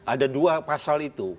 ada dua pasal itu